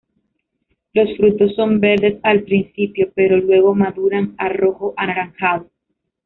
Los frutos son verdes al principio, pero luego maduran a rojo anaranjado.